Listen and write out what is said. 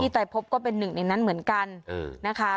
ไปพบก็เป็นหนึ่งในนั้นเหมือนกันนะคะ